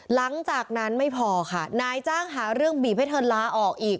หลังจากนั้นไม่พอค่ะนายจ้างหาเรื่องบีบให้เธอลาออกอีก